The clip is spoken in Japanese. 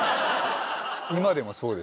今でもそうですけど。